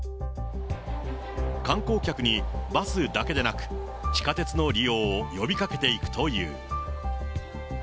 観光客にバスだけでなく、地下鉄の利用を呼びかけていくという。